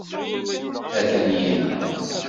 Atan yid-neɣ.